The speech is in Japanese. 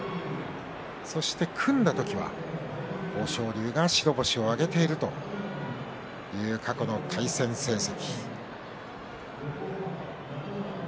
そして組んだ時は豊昇龍が白星を挙げているそういう過去の対戦成績。